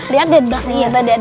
lihat di belakangnya